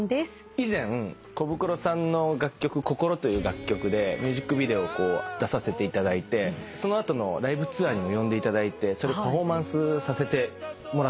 以前コブクロさんの『心』という楽曲でミュージックビデオ出させていただいてその後のライブツアーにも呼んでいただいてパフォーマンスさせてもらったんですよ。